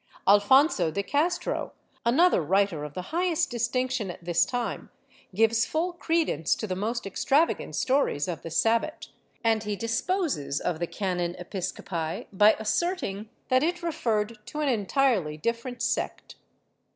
Alfonso de Castro, another writer of the highest distinction at this time, gives full credence to the most extravagant stories of the Sabbat, and he disposes of the can. Episcopi by asserting that it referred to an entirely different sect.